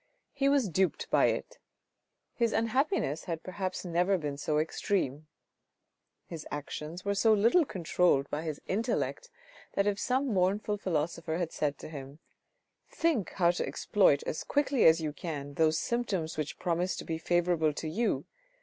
He was duped by it. His unhappiness had perhaps never been so extreme. His actions were so little controlled by his intellect that if some mournful philosopher had said to him, " Think how to exploit as quickly as you can those symptoms which promise to be favourable to you.